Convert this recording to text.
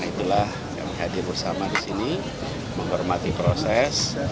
karena itulah kami hadir bersama di sini menghormati proses